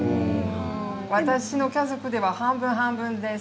私の家族では半分半分です。